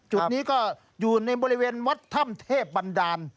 จุดนี้ก็อยู่ในบริเวณวัดถ้ำเทพบันดาล